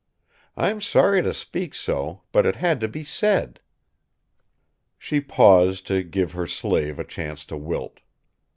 I am sorry to speak so, but it had to be said." She paused to give her slave a chance to wilt.